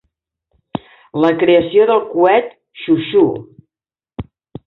La creació del coet ChuChu!